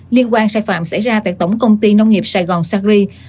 liên quan sai phạm xảy ra tại tổng công ty nông nghiệp sài gòn sacri